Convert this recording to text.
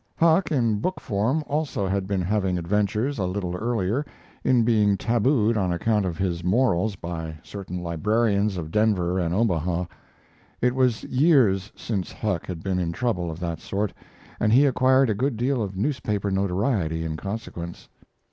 Huck in book form also had been having adventures a little earlier, in being tabooed on account of his morals by certain librarians of Denver and Omaha. It was years since Huck had been in trouble of that sort, and he acquired a good deal of newspaper notoriety in consequence.